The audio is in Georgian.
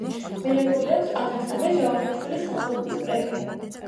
მიღებული აქვს ალექსანდრე ჯავახიშვილის სახელობის პრემია.